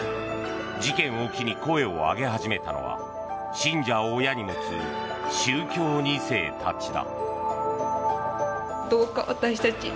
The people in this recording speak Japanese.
事件を機に声を上げ始めたのは信者を親に持つ宗教２世たちだ。